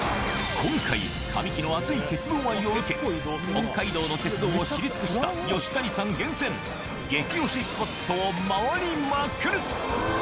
今回、神木の熱い鉄道愛を受け、北海道の鉄道を知り尽くした吉谷さん厳選、激推しスポットを回りまくる。